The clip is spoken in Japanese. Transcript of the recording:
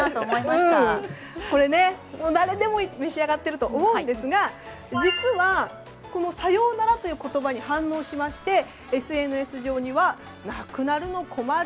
これ、誰でも召し上がっていると思うんですが実は、さようならという言葉に反応して、ＳＮＳ上にはなくなるの困る！